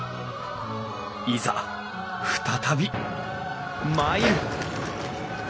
いざ再び参る！